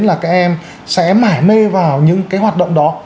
thì các em sẽ mãi mê vào những cái hoạt động đó